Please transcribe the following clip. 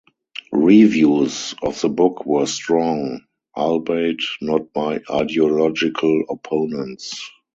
Reviews of the book were strong, albeit not by ideological opponents.